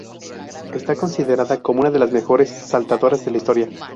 Está considerada como una de las mejores saltadoras de la historia.